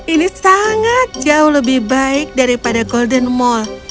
ini sangat jauh lebih baik daripada golden mall